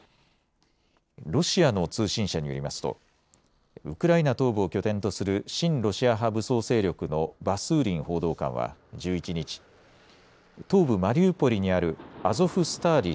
ロシアの通信社によりますとウクライナ東部を拠点とする親ロシア派武装勢力のバスーリン報道官は１１日、東部マリウポリにあるアゾフスターリ